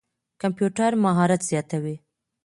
کمپيوټر مهارت زياتوي.